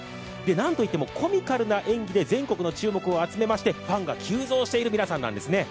なんといってもコミカルな演技で全国の注目を集めましてファンが急増している皆さんなんですね。